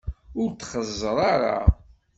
Ur t-xeẓẓer ara!